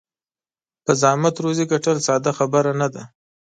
په زحمت روزي ګټل ساده خبره نه ده.